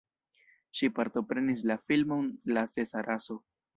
Ŝi partoprenis la filmon La sesa raso.